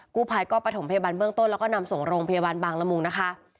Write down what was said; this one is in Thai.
กู้ภัยก็ประถมพยาบาลเบื้องต้นแล้วก็นำส่งโรงพยาบาลบางละมุงนะคะ